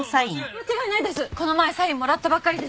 間違いないです！